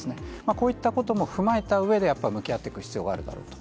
こういったことも踏まえたうえで、やっぱり向き合っていく必要があるだろうと。